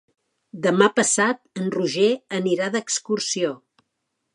Demà passat en Roger anirà d'excursió.